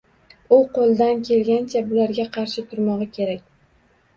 U qoʻlidan kelganicha bularga qarshi turmogʻi kerak